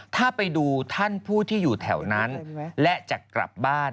ถ้าไปดูท่านผู้ที่อยู่แถวนั้นและจะกลับบ้าน